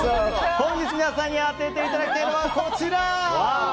本日、皆さんに当てていただきたいのはこちら！